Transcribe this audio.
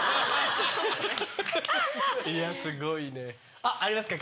いやすごいねありますか？